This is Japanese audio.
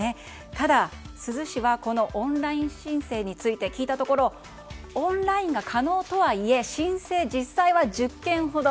ただ、珠洲市はこのオンライン申請について聞いたところオンラインが可能とはいえ申請、実際は１０件ほど。